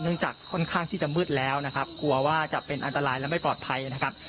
จากค่อนข้างที่จะมืดแล้วนะครับกลัวว่าจะเป็นอันตรายและไม่ปลอดภัยนะครับ